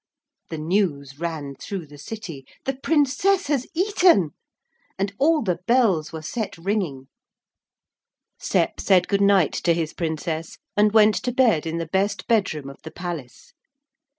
The news ran through the city, 'The Princess has eaten,' and all the bells were set ringing. Sep said good night to his Princess and went to bed in the best bedroom of the palace.